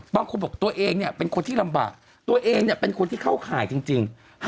บางคนบอกตัวเองเนี่ยเป็นคนที่ลำบากตัวเองเป็นคนที่เข้าข่ายจริง